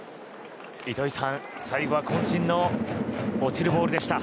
糸井さん、最後は渾身の落ちるボールでした。